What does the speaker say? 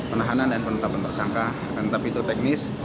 penahanan dan penetapan tersangka tetap itu teknis